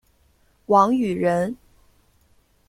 王羽人。